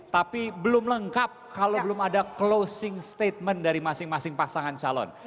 tapi belum lengkap kalau belum ada closing statement dari masing masing pasangan calon